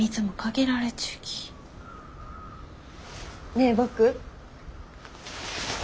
ねえ僕。